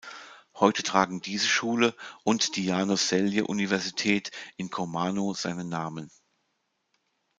Heute tragen diese Schule und die János-Selye-Universität in Komárno seinen Namen.